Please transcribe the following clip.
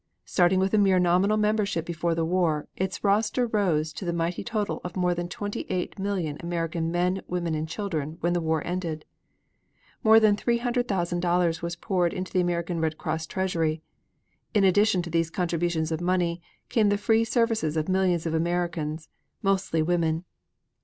Starting with a mere nominal membership before the war, its roster rose to the mighty total of more than 28,000,000 American men, women and children when the war ended. More than $300,000,000 was poured into the American Red Cross treasury. In addition to these contributions of money, came the free services of millions of Americans, mostly women.